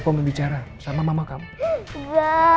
kau mau bicara sama mama kamu